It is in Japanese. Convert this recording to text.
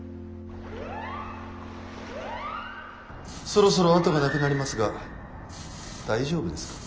そろそろ後がなくなりますが大丈夫ですか？